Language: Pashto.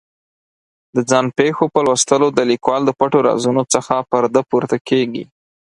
د ځان پېښو په لوستلو د لیکوال د پټو رازونو څخه پردې پورته کېږي.